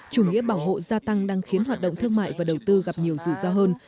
chủ nghĩa bảo hộ gia tăng đang khiến hoạt động thương mại và đầu tư gặp nhiều rủi ro hơn